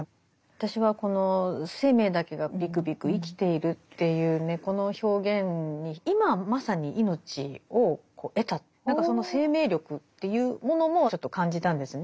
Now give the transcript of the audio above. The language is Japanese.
私はこの「生命だけがびくびく生きている」っていうねこの表現に今まさに命を得た何かその生命力っていうものもちょっと感じたんですよね。